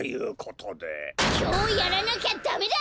きょうやらなきゃダメだ！